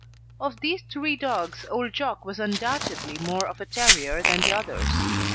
Of these three dogs Old Jock was undoubtedly more of a terrier than the others.